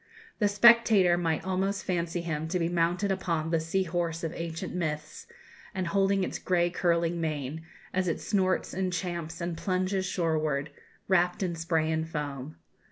The spectator might almost fancy him to be mounted upon the sea horse of ancient myths, and holding its grey curling mane, as it snorts and champs and plunges shoreward, wrapped in spray and foam.